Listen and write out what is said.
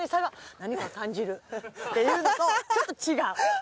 「何か感じる」っていうのとちょっと違う。